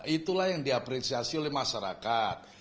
itulah yang diapresiasi oleh masyarakat